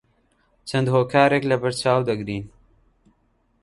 چەند هۆکارێک لەبەرچاو دەگرین